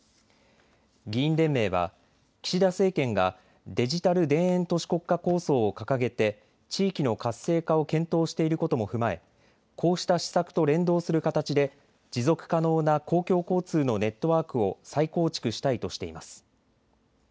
議員連盟は岸田政権がデジタル田園都市国家構想を掲げて地域の活性化を検討していることも踏まえ、こうした施策と連動する形で持続可能な公共交通のネットワークを再構築したいとしています。